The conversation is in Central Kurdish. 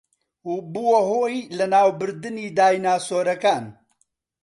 و بووە هۆی لەناوبردنی دایناسۆرەکان